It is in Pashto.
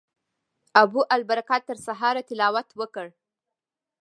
ابوالبرکات تر سهاره تلاوت وکړ.